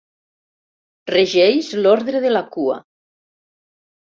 Regeix l'ordre de la cua.